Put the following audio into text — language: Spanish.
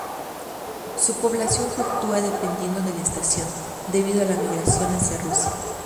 Su población fluctúa dependiendo de la estación, debido a la migración hacia Rusia.